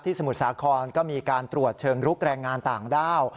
สมุทรสาครก็มีการตรวจเชิงลุกแรงงานต่างด้าว